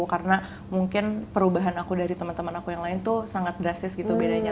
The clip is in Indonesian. karena mungkin perubahan aku dari teman teman aku yang lain tuh sangat drastis gitu bedanya